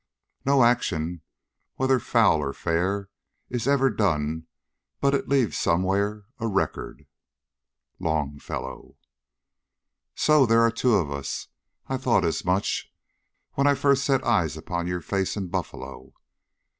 No action, whether foul or fair, Is ever done, but it leaves somewhere A record. LONGFELLOW. "SO there are two of us! I thought as much when I first set eyes upon your face in Buffalo!"